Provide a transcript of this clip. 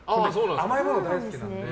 甘いもの大好きなので。